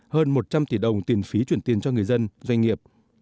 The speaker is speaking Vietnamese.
hơn một trăm linh tỷ đồng tiền phí chuyển tiền cho người dân doanh nghiệp